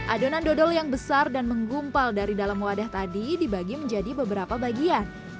adonan dodol yang besar dan menggumpal dari dalam wadah tadi dibagi menjadi beberapa bagian